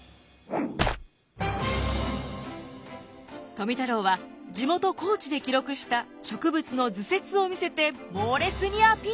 富太郎は地元高知で記録した植物の図説を見せて猛烈にアピール。